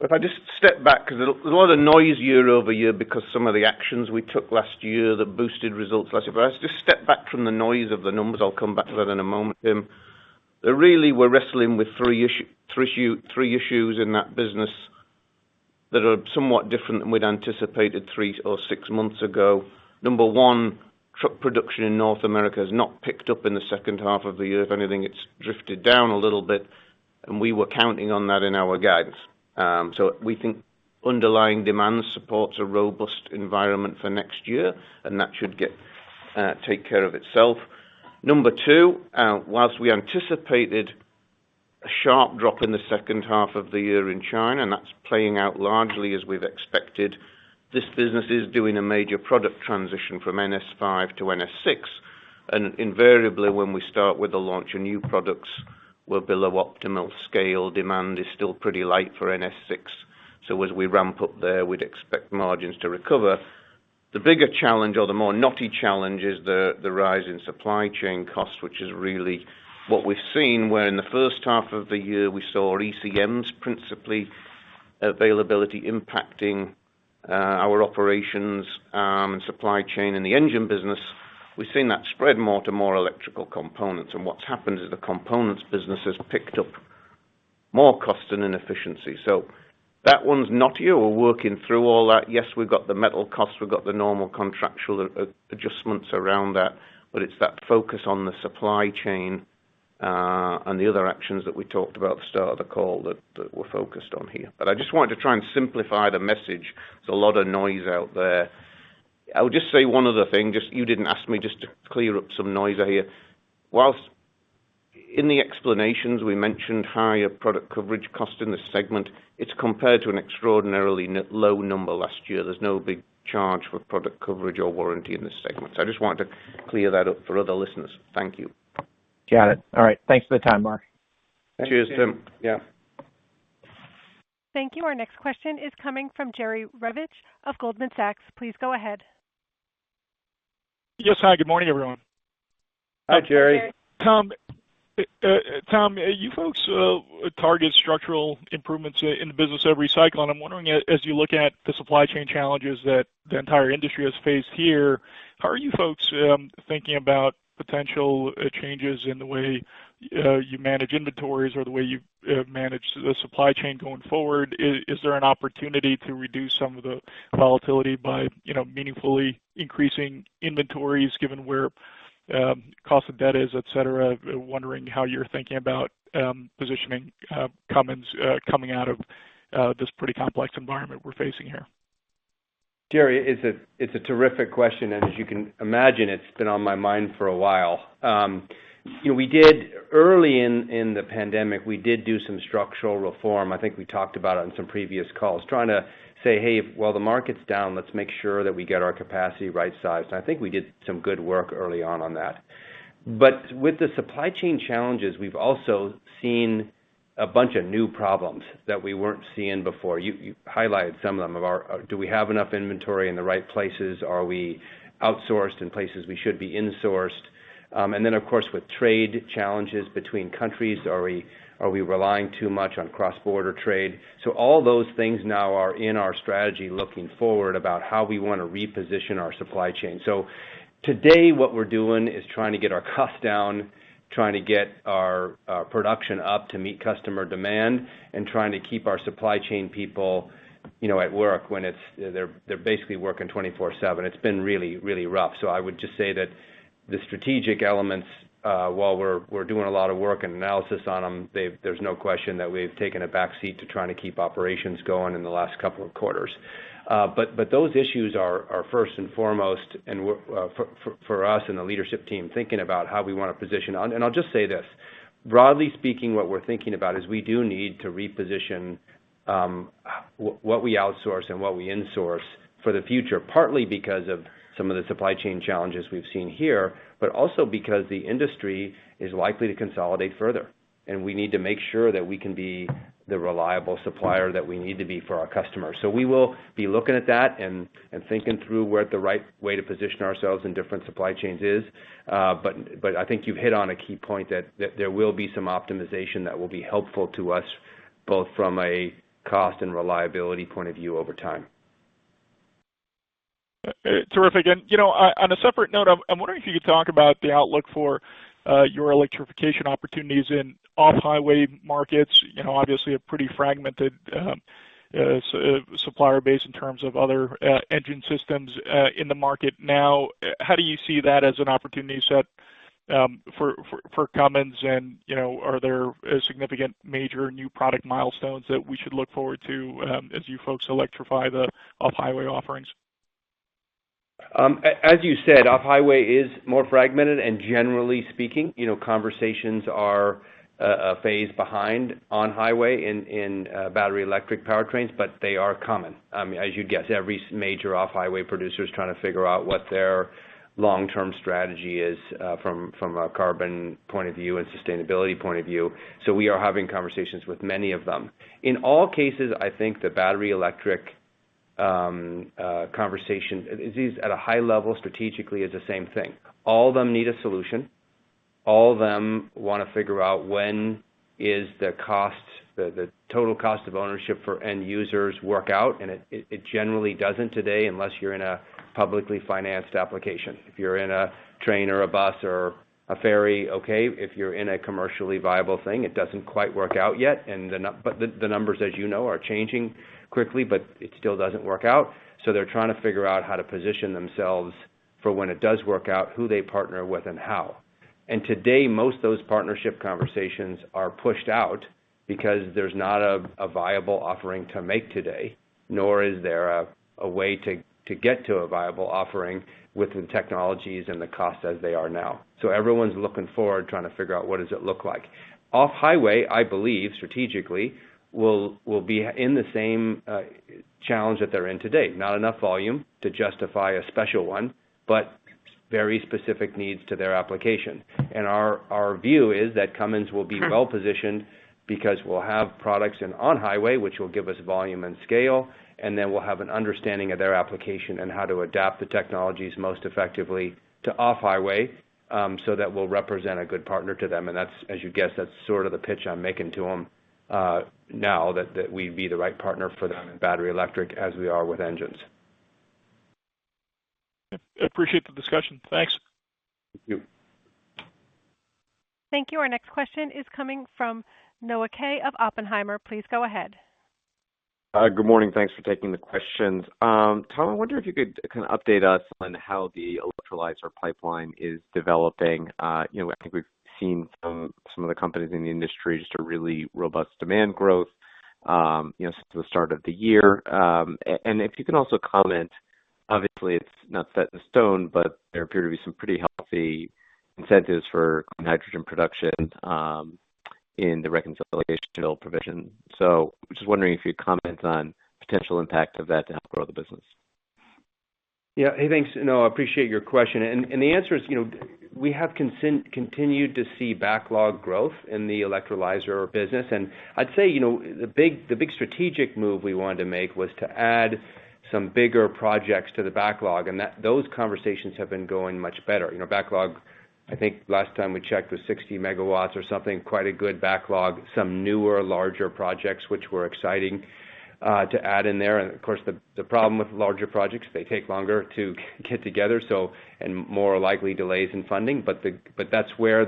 If I just step back, 'cause there's a lot of noise year-over-year because some of the actions we took last year that boosted results last year. Let's just step back from the noise of the numbers. I'll come back to that in a moment, Timothy. Really, we're wrestling with three issues in that business that are somewhat different than we'd anticipated three or six months ago. Number one, truck production in North America has not picked up in the second half of the year. If anything, it's drifted down a little bit, and we were counting on that in our guidance. We think underlying demand supports a robust environment for next year, and that should take care of itself. Number two, while we anticipated a sharp drop in the second half of the year in China, and that's playing out largely as we've expected, this business is doing a major product transition from NS5 to NS6. Invariably, when we start with the launch of new products, we're below optimal scale. Demand is still pretty light for NS6. As we ramp up there, we'd expect margins to recover. The bigger challenge or the more knotty challenge is the rise in supply chain costs, which is really what we've seen, where in the first half of the year, we saw ECMs, principally availability impacting our operations and supply chain in the engine business. We've seen that spread to more electrical components. What's happened is the components business has picked up more cost and inefficiency. That one's knottier. We're working through all that. Yes, we've got the metal costs, we've got the normal contractual adjustments around that, but it's that focus on the supply chain, and the other actions that we talked about at the start of the call that we're focused on here. I just wanted to try and simplify the message. There's a lot of noise out there. I would just say one other thing. You didn't ask me, just to clear up some noise I hear. While in the explanations we mentioned higher product coverage cost in this segment, it's compared to an extraordinarily low number last year. There's no big charge for product coverage or warranty in this segment. I just wanted to clear that up for other listeners. Thank you. Got it. All right. Thanks for the time, Mark. Cheers, Timothy. Yeah. Thank you. Our next question is coming from Jerry Revich of Goldman Sachs. Please go ahead. Yes. Hi, good morning, everyone. Hi, Jerry. Hi, Jerry. Tom, you folks target structural improvements in the business every cycle, and I'm wondering, as you look at the supply chain challenges that the entire industry has faced here, how are you folks thinking about potential changes in the way you manage inventories or the way you manage the supply chain going forward? Is there an opportunity to reduce some of the volatility by, you know, meaningfully increasing inventories given where cost of debt is, et cetera? Wondering how you're thinking about positioning Cummins coming out of this pretty complex environment we're facing here. Jerry Revich, it's a terrific question. As you can imagine, it's been on my mind for a while. You know, we did early in the pandemic, we did do some structural reform. I think we talked about it on some previous calls, trying to say, "Hey, while the market's down, let's make sure that we get our capacity right-sized." I think we did some good work early on that. With the supply chain challenges, we've also seen a bunch of new problems that we weren't seeing before. You highlighted some of them. Do we have enough inventory in the right places? Are we outsourced in places we should be insourced? And then, of course, with trade challenges between countries, are we relying too much on cross-border trade? All those things now are in our strategy looking forward about how we wanna reposition our supply chain. Today, what we're doing is trying to get our costs down, trying to get our production up to meet customer demand, and trying to keep our supply chain people, you know, at work when they're basically working 24/7. It's been really rough. I would just say that the strategic elements, while we're doing a lot of work and analysis on them, there's no question that we've taken a backseat to trying to keep operations going in the last couple of quarters. But those issues are first and foremost, and we're for us and the leadership team, thinking about how we wanna position on. I'll just say this, broadly speaking, what we're thinking about is we do need to reposition, what we outsource and what we insource for the future, partly because of some of the supply chain challenges we've seen here, but also because the industry is likely to consolidate further, and we need to make sure that we can be the reliable supplier that we need to be for our customers. We will be looking at that and thinking through where the right way to position ourselves in different supply chains is. I think you've hit on a key point that there will be some optimization that will be helpful to us both from a cost and reliability point of view over time. Terrific. You know, on a separate note, I'm wondering if you could talk about the outlook for your electrification opportunities in off-highway markets. You know, obviously a pretty fragmented supplier base in terms of other engine systems in the market now. How do you see that as an opportunity set for Cummins? You know, are there significant major new product milestones that we should look forward to as you folks electrify the off-highway offerings? As you said, off-highway is more fragmented. Generally speaking, you know, conversations are a phase behind on-highway in battery electric powertrains, but they are common. I mean, as you'd guess, every major off-highway producer is trying to figure out what their long-term strategy is from a carbon point of view and sustainability point of view. We are having conversations with many of them. In all cases, I think the battery electric conversation is at a high level, strategically is the same thing. All of them need a solution. All of them wanna figure out when is the cost, the total cost of ownership for end users work out, and it generally doesn't today, unless you're in a publicly financed application. If you're in a train or a bus or a ferry, okay. If you're in a commercially viable thing, it doesn't quite work out yet. The numbers, as you know, are changing quickly, but it still doesn't work out. They're trying to figure out how to position themselves for when it does work out, who they partner with and how. Today, most of those partnership conversations are pushed out because there's not a viable offering to make today, nor is there a way to get to a viable offering with the technologies and the cost as they are now. Everyone's looking forward, trying to figure out what does it look like. Off-highway, I believe, strategically, will be in the same challenge that they're in today. Not enough volume to justify a special one, but very specific needs to their application. Our view is that Cummins will be well-positioned because we'll have products in on-highway, which will give us volume and scale, and then we'll have an understanding of their application and how to adapt the technologies most effectively to off-highway, so that we'll represent a good partner to them. That's, as you'd guess, the pitch I'm making to them, now that we'd be the right partner for them in battery electric as we are with engines. I appreciate the discussion. Thanks. Thank you. Thank you. Our next question is coming from Noah Kaye of Oppenheimer & Co. Please go ahead. Good morning. Thanks for taking the questions. Tom, I wonder if you could kind of update us on how the electrolyzer pipeline is developing. You know, I think we've seen some of the companies in the industry just a really robust demand growth, you know, since the start of the year. And if you can also comment, obviously, it's not set in stone, but there appear to be some pretty healthy incentives for hydrogen production, in the reconciliation bill provision. Just wondering if you'd comment on potential impact of that to help grow the business. Yeah. Hey, thanks, Noah. I appreciate your question. The answer is, you know, we have continued to see backlog growth in the electrolyzer business. I'd say, you know, the big strategic move we wanted to make was to add some bigger projects to the backlog, and those conversations have been going much better. You know, backlog, I think last time we checked, was 60 MW or something. Quite a good backlog. Some newer, larger projects, which were exciting to add in there. Of course, the problem with larger projects, they take longer to get together, so and more likely delays in funding. That's where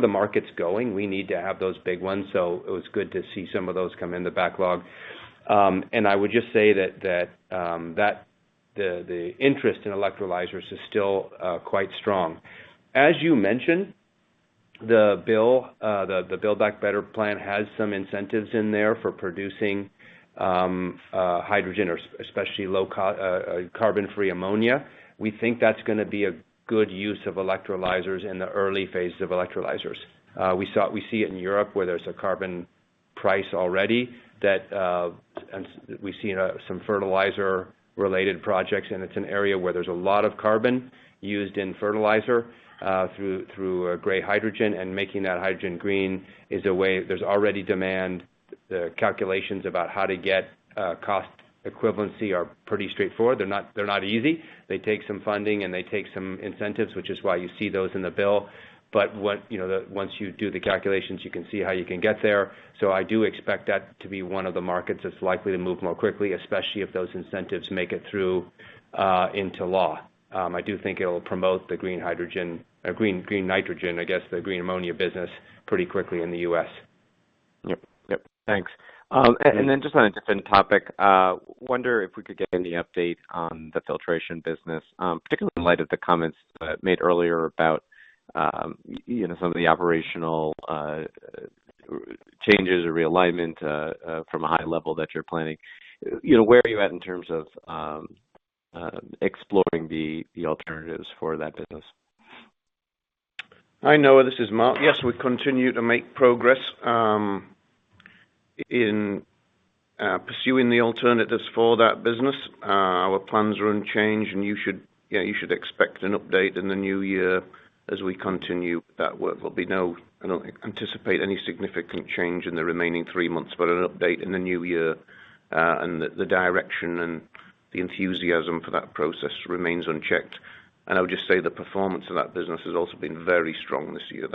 the market's going. We need to have those big ones. It was good to see some of those come in the backlog. I would just say that the interest in electrolyzers is still quite strong. As you mentioned, the bill, the Build Back Better plan has some incentives in there for producing hydrogen or especially low carbon-free ammonia. We think that's gonna be a good use of electrolyzers in the early phase of electrolyzers. We see it in Europe, where there's a carbon price already and we've seen some fertilizer-related projects, and it's an area where there's a lot of carbon used in fertilizer through gray hydrogen and making that hydrogen green is a way. There's already demand. The calculations about how to get cost equivalency are pretty straightforward. They're not easy. They take some funding, and they take some incentives, which is why you see those in the bill. Once you do the calculations, you can see how you can get there. I do expect that to be one of the markets that's likely to move more quickly, especially if those incentives make it through into law. I do think it'll promote the green hydrogen or green nitrogen, I guess, the green ammonia business pretty quickly in the U.S. Yep. Thanks. Just on a different topic, I wonder if we could get any update on the filtration business, particularly in light of the comments made earlier about, you know, some of the operational changes or realignment from a high level that you're planning. You know, where are you at in terms of exploring the alternatives for that business? Hi, Noah. This is Mark. Yes, we continue to make progress in pursuing the alternatives for that business. Our plans are unchanged, and you should, yeah, you should expect an update in the new year as we continue that work. I don't anticipate any significant change in the remaining three months, but an update in the new year, and the direction and the enthusiasm for that process remains unchecked. I would just say the performance of that business has also been very strong this year.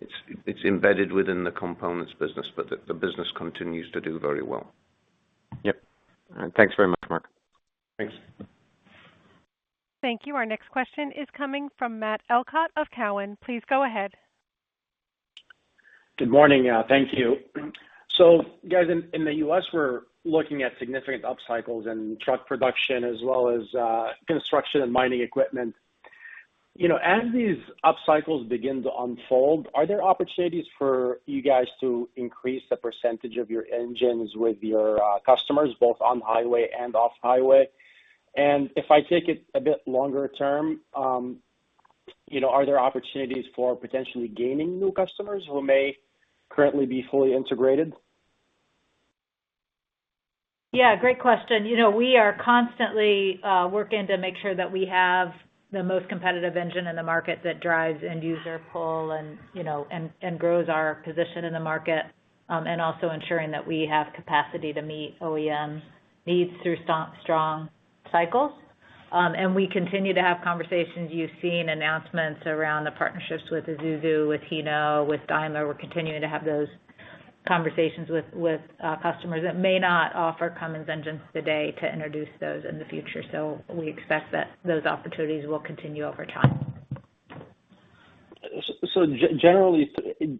That it's embedded within the components business, but the business continues to do very well. Yep. Thanks very much, Mark. Thanks. Thank you. Our next question is coming from Matt Elkott of TD Cowen. Please go ahead. Good morning. Thank you. You guys in the U.S. were looking at significant upcycles in truck production as well as construction and mining equipment. You know, as these upcycles begin to unfold, are there opportunities for you guys to increase the percentage of your engines with your customers, both on highway and off highway? If I take it a bit longer term, you know, are there opportunities for potentially gaining new customers who may currently be fully integrated? Yeah, great question. You know, we are constantly working to make sure that we have the most competitive engine in the market that drives end user pull and, you know, grows our position in the market, and also ensuring that we have capacity to meet OEM needs through strong cycles. We continue to have conversations. You've seen announcements around the partnerships with Isuzu, with Hino, with Daimler. We're continuing to have those conversations with customers that may not offer Cummins engines today to introduce those in the future. We expect that those opportunities will continue over time. Generally,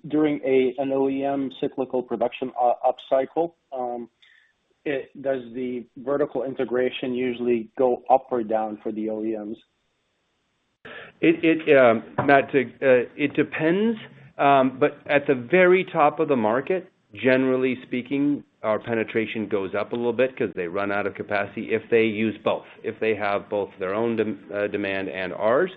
during an OEM cyclical production upcycle, does the vertical integration usually go up or down for the OEMs? It Matt, it depends. At the very top of the market, generally speaking, our penetration goes up a little bit because they run out of capacity if they use both, if they have both their own demand and ours.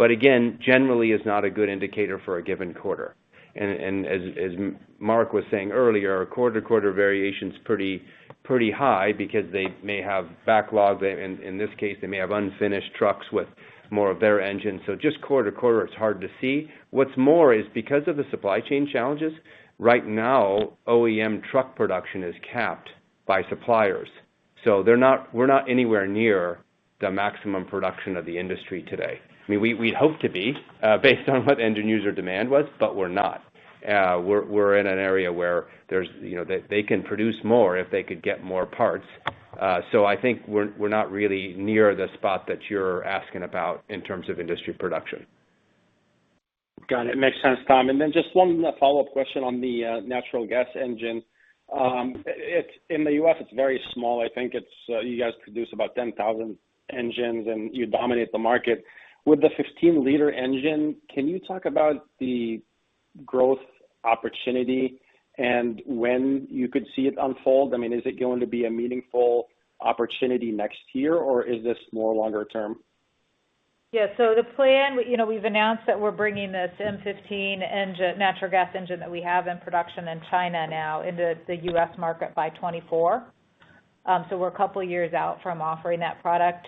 Again, generally is not a good indicator for a given quarter. As Mark was saying earlier, quarter-to-quarter variation's pretty high because they may have backlogs. In this case, they may have unfinished trucks with more of their engines. Just quarter-to-quarter, it's hard to see. What's more is because of the supply chain challenges, right now, OEM truck production is capped by suppliers. They're not. We're not anywhere near the maximum production of the industry today. I mean, we hope to be based on what end user demand was, but we're not. We're in an area where there's, you know, they can produce more if they could get more parts. I think we're not really near the spot that you're asking about in terms of industry production. Got it. Makes sense, Tom. Just one follow-up question on the natural gas engine. It's in the U.S., it's very small. I think it's you guys produce about 10,000 engines, and you dominate the market. With the 15-liter engine, can you talk about the growth opportunity and when you could see it unfold? I mean, is it going to be a meaningful opportunity next year, or is this more longer term? Yeah. The plan, you know, we've announced that we're bringing this X15N engine, natural gas engine that we have in production in China now into the U.S. market by 2024. We're a couple years out from offering that product.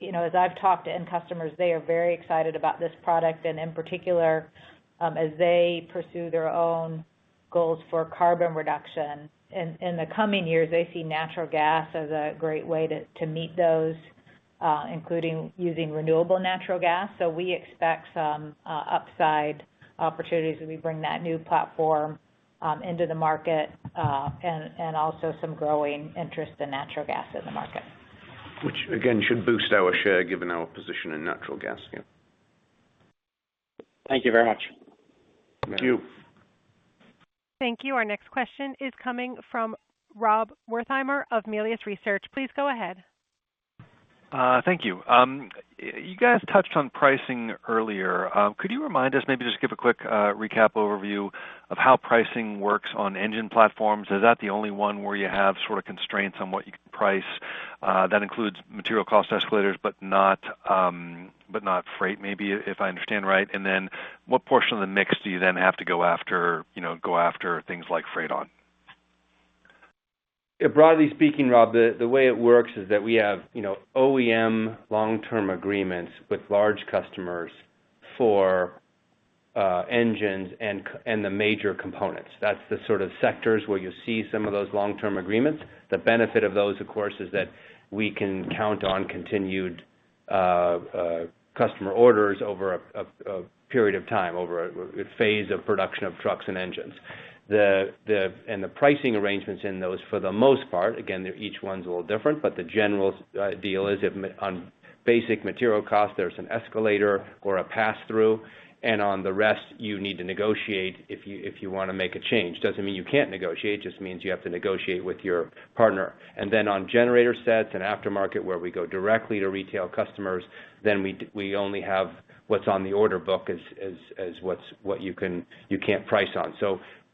You know, as I've talked to end customers, they are very excited about this product and in particular, as they pursue their own goals for carbon reduction. In the coming years, they see natural gas as a great way to meet those, including using renewable natural gas. We expect some upside opportunities as we bring that new platform into the market and also some growing interest in natural gas in the market. Which again, should boost our share given our position in natural gas. Yeah. Thank you very much. Thank you. Thank you. Our next question is coming from Rob Wertheimer of Melius Research. Please go ahead. Thank you. You guys touched on pricing earlier. Could you remind us, maybe just give a quick recap overview of how pricing works on engine platforms? Is that the only one where you have sort of constraints on what you can price, that includes material cost escalators, but not freight, maybe, if I understand right? And then what portion of the mix do you then have to go after things like freight on? Yeah, broadly speaking, Rob, the way it works is that we have, you know, OEM long-term agreements with large customers for engines and the major components. That's the sort of sectors where you'll see some of those long-term agreements. The benefit of those, of course, is that we can count on continued customer orders over a period of time, over a phase of production of trucks and engines. And the pricing arrangements in those for the most part, again, they're each one's a little different, but the general deal is on basic material costs, there's an escalator or a pass-through, and on the rest, you need to negotiate if you wanna make a change. Doesn't mean you can't negotiate, just means you have to negotiate with your partner. On generator sets and aftermarket, where we go directly to retail customers, we only have what's on the order book as what you can't price on.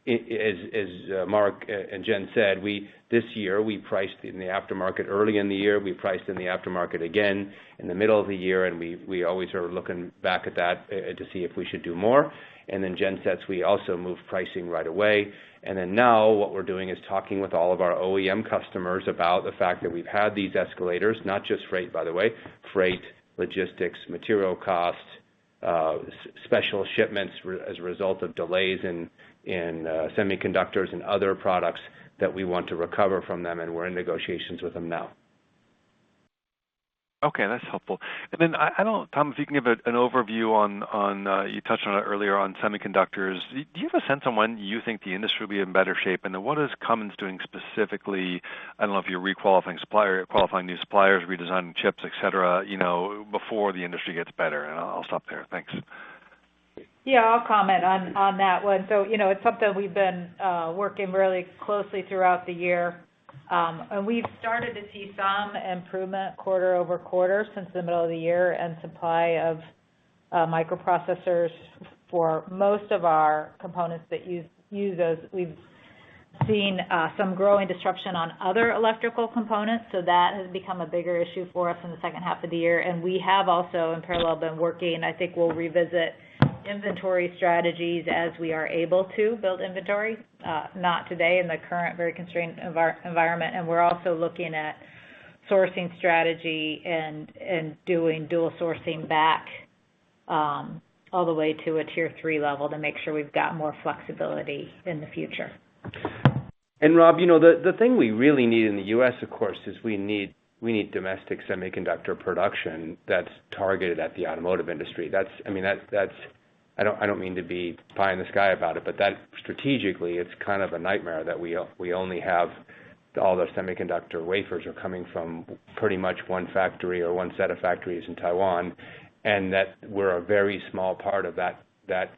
So, as Mark and Jennifer said, this year we priced in the aftermarket early in the year, we priced in the aftermarket again in the middle of the year, and we always are looking back at that to see if we should do more. Gen sets, we also move pricing right away. Now what we're doing is talking with all of our OEM customers about the fact that we've had these escalators, not just freight, by the way, logistics, material costs, special shipments as a result of delays in semiconductors and other products that we want to recover from them, and we're in negotiations with them now. Okay, that's helpful. Then I don't know, Tom, if you can give an overview on semiconductors. You touched on it earlier. Do you have a sense on when you think the industry will be in better shape? Then what is Cummins doing specifically? I don't know if you're requalifying supplier or qualifying new suppliers, redesigning chips, et cetera, you know, before the industry gets better. I'll stop there. Thanks. Yeah, I'll comment on that one. You know, it's something we've been working really closely throughout the year. We've started to see some improvement quarter-over-quarter since the middle of the year and supply of microprocessors for most of our components that use those. We've seen some growing disruption on other electrical components, so that has become a bigger issue for us in the second half of the year. We have also in parallel been working. I think we'll revisit inventory strategies as we are able to build inventory, not today in the current very constrained environment. We're also looking at sourcing strategy and doing dual sourcing back all the way to a tier three level to make sure we've got more flexibility in the future. Rob, you know, the thing we really need in the U.S., of course, is we need domestic semiconductor production that's targeted at the automotive industry. That's, I mean, that's. I don't mean to be pie in the sky about it, but that strategically, it's kind of a nightmare that we only have all those semiconductor wafers are coming from pretty much one factory or one set of factories in Taiwan, and that we're a very small part of that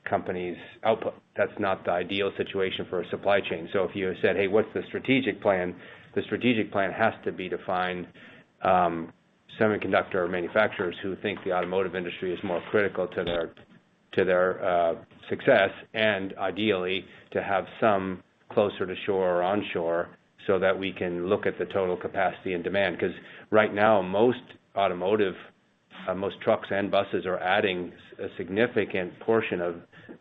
company's output. That's not the ideal situation for a supply chain. If you said, "Hey, what's the strategic plan?" The strategic plan has to be to find semiconductor manufacturers who think the automotive industry is more critical to their success, and ideally to have some closer to shore or onshore so that we can look at the total capacity and demand. Because right now, most trucks and buses are adding a significant portion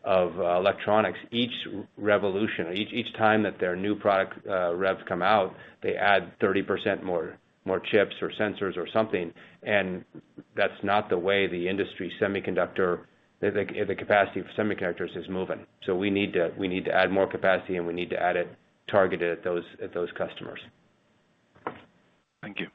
of electronics. Each revolution, each time that their new product revs come out, they add 30% more chips or sensors or something, and that's not the way the semiconductor industry, the capacity for semiconductors is moving. We need to add more capacity, and we need to add it targeted at those customers. Thank you.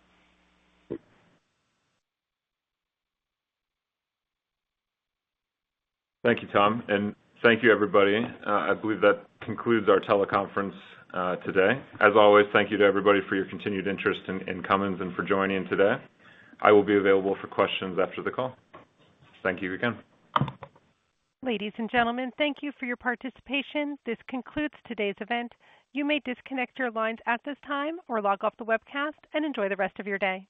Thank you, Tom, and thank you everybody. I believe that concludes our teleconference, today. As always, thank you to everybody for your continued interest in Cummins and for joining today. I will be available for questions after the call. Thank you again. Ladies and gentlemen, thank you for your participation. This concludes today's event. You may disconnect your lines at this time or log off the webcast and enjoy the rest of your day.